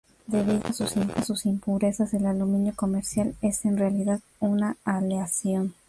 Debido a sus impurezas, el aluminio comercial es en realidad una aleación.